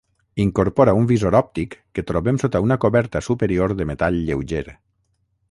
Incorpora un visor òptic que trobem sota una coberta superior de metall lleuger.